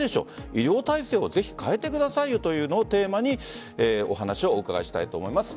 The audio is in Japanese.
医療体制を、ぜひ変えてくださいというのをテーマにお話をお伺いしたいと思います。